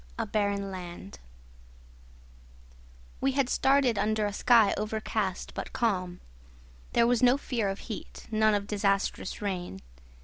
A BARREN LAND We had started under a sky overcast but calm. There was no fear of heat, none of disastrous rain.